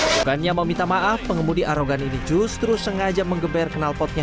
bukannya meminta maaf pengemudi arogan ini justru sengaja mengeber kenalpotnya